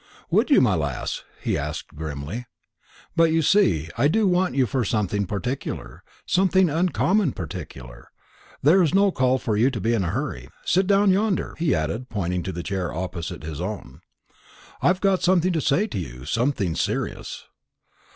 "Would you, my lass?" he asked grimly. "But, you see, I do want you for something particular, something uncommon particular; so there's no call for you to be in a hurry. Sit down yonder," he added, pointing to the chair opposite his own. "I've got something to say to you, something serious."